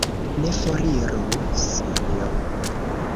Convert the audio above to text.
Ne foriru, Sonjo!